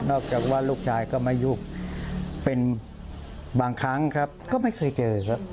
จากว่าลูกชายก็ไม่ยุ่งเป็นบางครั้งครับก็ไม่เคยเจอครับ